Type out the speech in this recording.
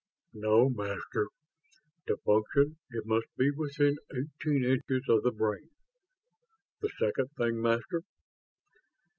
"No, Master. To function, it must be within eighteen inches of the brain. The second thing, Master?"